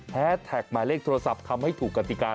แท็กหมายเลขโทรศัพท์ทำให้ถูกกติกา